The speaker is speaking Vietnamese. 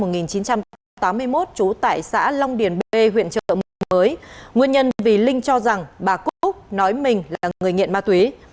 linh sinh sống tại xã long điền bê huyện chợ mới nguyên nhân vì linh cho rằng bà cúc nói mình là người nghiện ma túy